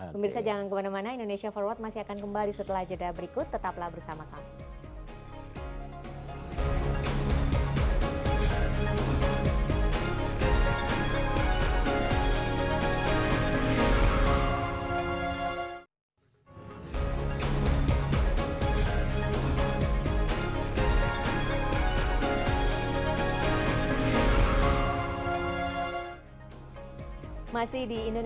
pemirsa jangan kemana mana indonesia forward masih akan kembali setelah jeda berikut tetaplah bersama kami